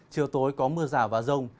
chiều tối có mưa rào và rông